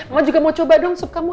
mau juga mau coba dong sup kamu